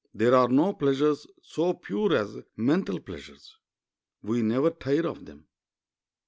There are no pleasures so pure as mental pleasures. We never tire of them.